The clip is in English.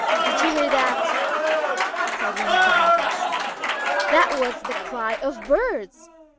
"Did you hear that?" said one of the hunters. "That was the cry of birds!